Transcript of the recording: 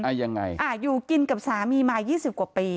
ยังไงอ่าอยู่กินกับสามีมายี่สิบกว่าปี